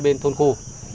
bên thôn khu